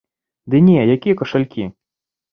Ды не, якія кашалькі.